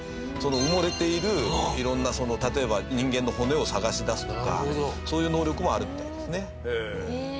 埋もれている、いろんな、その例えば、人間の骨を探し出すとかそういう能力もあるみたいですね。